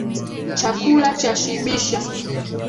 Chakula chashibisha.